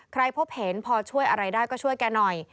พบเห็นพอช่วยอะไรได้ก็ช่วยแกหน่อย